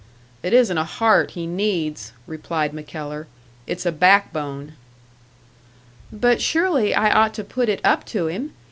"It isn't a heart he needs," replied MacKellar; "it's a back bone." "But surely I ought to put it up to him!